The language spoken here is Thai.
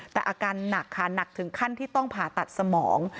แต่อาการหนักค่ะหนักถึงขั้นที่ต้องผ่าตัดสมอง